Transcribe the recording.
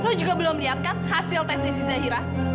lo juga belum lihat kan hasil tesnya si zairah